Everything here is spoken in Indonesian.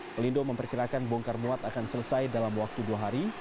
pelindo memperkirakan bongkar muat akan selesai dalam waktu dua hari